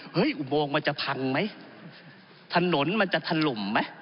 เฮ้ยอุโมงมันจะพังมั้ยถนนมันจะถล่มมั้ย